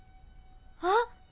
あっ！